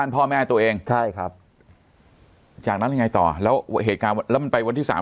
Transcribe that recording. พ่อแม่ตัวเองใช่ครับจากนั้นยังไงต่อแล้วเหตุการณ์แล้วมันไปวันที่สาม